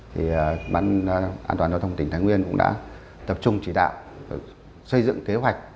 thì ban an toàn giao thông tỉnh thái nguyên cũng đã tập trung chỉ đạo xây dựng kế hoạch